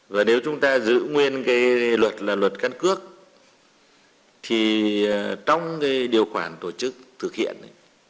và nếu chúng ta giữ nguyên cái luật là luật căn cước thì trong cái điều khoản tổ chức thực hiện